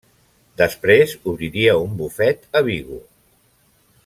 Després obriria un bufet a Vigo.